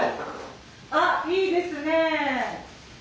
あっいいですねえ。